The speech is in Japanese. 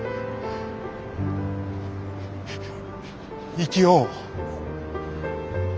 生きよう。